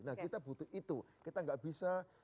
nah kita butuh itu kita nggak bisa